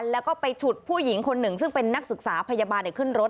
แล้วก็ไปฉุดผู้หญิงคนหนึ่งซึ่งเป็นนักศึกษาพยาบาลขึ้นรถ